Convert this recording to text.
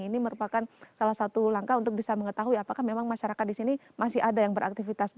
ini merupakan salah satu langkah untuk bisa mengetahui apakah memang masyarakat di sini masih ada yang beraktivitas